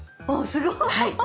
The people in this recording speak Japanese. すごい。